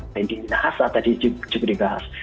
yang di nasa tadi juga dibahas